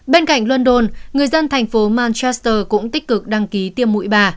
bên cạnh london người dân thành phố manchester cũng tích cực đăng ký tiêm mũi bà